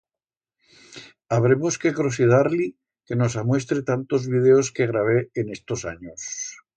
Habremos que crosidar-li que nos amuestre tantos videos que gravé en estos anyos.